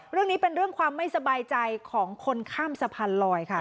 เรื่องนี้เป็นเรื่องความไม่สบายใจของคนข้ามสะพานลอยค่ะ